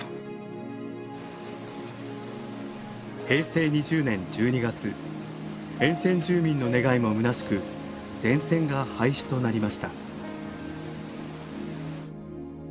平成２０年１２月沿線住民の願いもむなしく全線が廃止となりました。